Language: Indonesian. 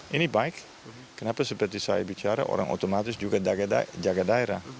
ini baik kenapa seperti saya bicara orang otomatis juga jaga daerah